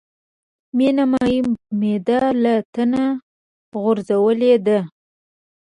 مې نيمایي معده له تنه غورځولې ده.